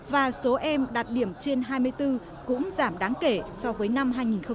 và số em đạt điểm trên hai mươi bốn cũng giảm đáng kể so với năm hai nghìn một mươi tám